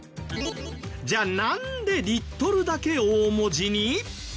じゃあなんでリットルだけ大文字に？